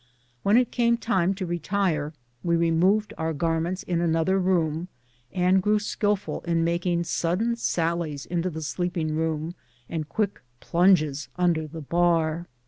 When it came time to retire we removed our garments in another room, and grew skil ful in making sudden sallies into the sleeping room and quick plunges under the bar.